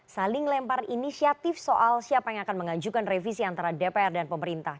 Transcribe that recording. saling lempar inisiatif soal siapa yang akan mengajukan revisi antara dpr dan pemerintah